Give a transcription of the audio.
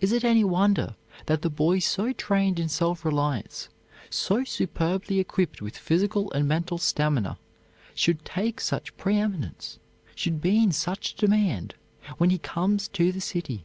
Is it any wonder that the boy so trained in self reliance, so superbly equipped with physical and mental stamina, should take such pre eminence, should be in such demand when he comes to the city?